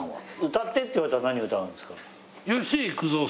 歌ってって言われたら何歌うんですか？